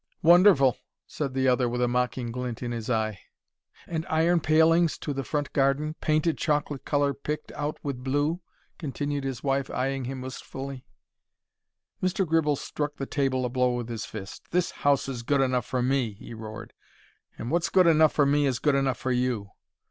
"Wonderful!" said the other, with a mocking glint in his eye. "And iron palings to the front garden, painted chocolate colour picked out with blue," continued his wife, eyeing him wistfully. Mr. Gribble struck the table a blow with his fist. "This house is good enough for me," he roared; "and what's good enough for me is good enough for you.